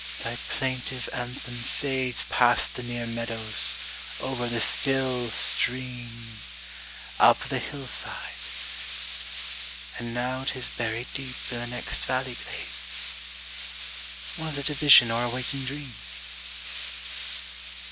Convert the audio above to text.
thy plaintive anthem fades Past the near meadows, over the still stream, Up the hillside; and now 'tis buried deep In the next valley glades: Was it a vision or a waking dream?